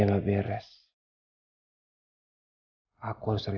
jangan lupa untuk beri dukungan di sisi terkini